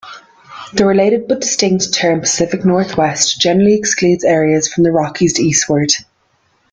The related but distinct term "Pacific Northwest" generally excludes areas from the Rockies eastward.